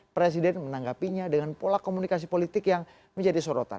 presiden menanggapinya dengan pola komunikasi politik yang menjadi sorotan